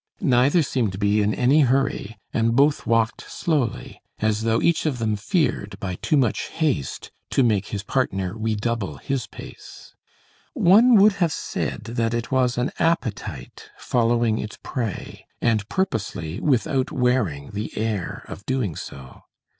Neither seemed to be in any hurry, and both walked slowly, as though each of them feared by too much haste to make his partner redouble his pace. One would have said that it was an appetite following its prey, and purposely without wearing the air of doing so.